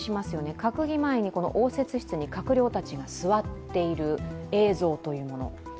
閣議前にこの応接室に閣僚たちが座っている映像というもの。